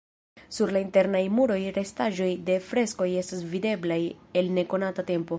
Sur la internaj muroj restaĵoj de freskoj estas videblaj el nekonata tempo.